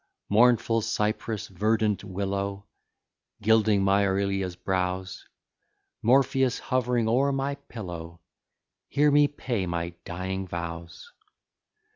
Mournful cypress, verdant willow, Gilding my Aurelia's brows, Morpheus, hovering o'er my pillow, Hear me pay my dying vows.